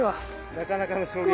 なかなかの衝撃。